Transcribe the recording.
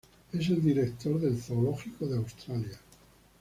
Es el director del Zoológico de Australia.